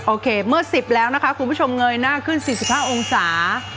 โอเคเมื่อ๑๐แล้วนะคะคุณผู้ชมเงยหน้าขึ้น๔๕องศา